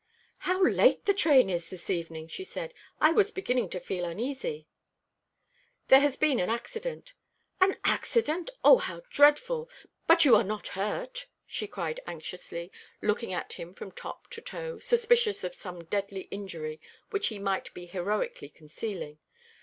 "How late the train is this evening!" she said. "I was beginning to feel uneasy." "There has been an accident." "An accident! O, how dreadful! But you are not hurt?" she cried anxiously, looking at him from top to toe, suspicious of some deadly injury which he might be heroically concealing.